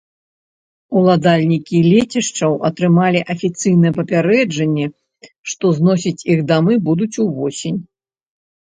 Уладальнікі лецішчаў атрымалі афіцыйнае папярэджанне, што зносіць іх дамы будуць увосень.